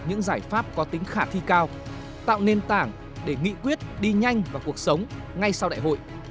những giải pháp có tính khả thi cao tạo nền tảng để nghị quyết đi nhanh vào cuộc sống ngay sau đại hội